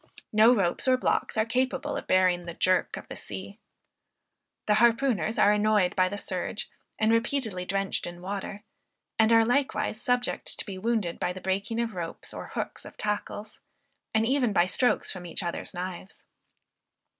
No ropes or blocks are capable of bearing the jerk of the sea. The harpooners are annoyed by the surge, and repeatedly drenched in water; and are likewise subject to be wounded by the breaking of ropes or hooks of tackles, and even by strokes from each other's knives.